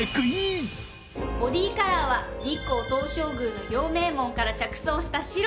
ボディーカラーは日光東照宮の陽明門から着想した白。